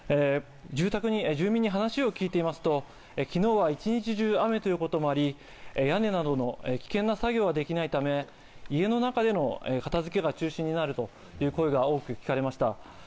住民に話を聞いてみますと、昨日は一日中雨ということもあり、屋根などの危険な作業はできないため、家の中での片付けが中心になるという声が多く聞かれました。